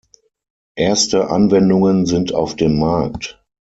Erste Anwendungen sind auf dem Markt.